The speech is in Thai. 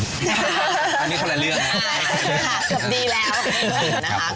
อันนี้เขาละเรื่องเนี่ย